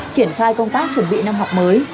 triển khai công tác chuẩn bị năm học mới